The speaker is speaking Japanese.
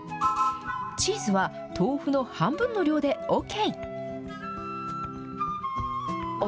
チーズは豆腐の半分の量でＯＫ。